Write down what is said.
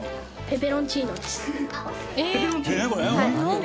ペペロンチーノ？